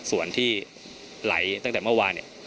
ส่วนที่ไหลตั้งแต่เมื่อวานเนี่ย